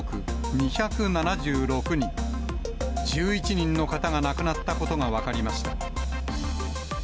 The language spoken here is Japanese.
１１人の方が亡くなったことが分かりました。